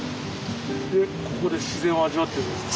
でここで自然を味わってるんですか？